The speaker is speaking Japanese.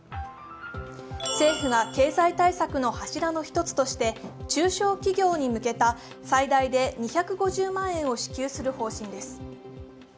政府が経済対策の柱の１つとして中小企業に向けた最大で２５０万円を支給する方針です。